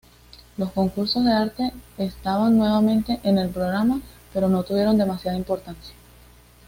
Los concursos de arte estaban nuevamente en el programa, pero no tuvieron demasiada importancia.